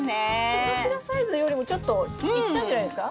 手のひらサイズよりもちょっといったんじゃないですか？